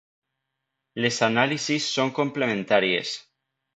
Les anàlisis són complementàries.